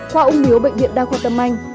qua ung liếu bệnh viện đa khoa tâm anh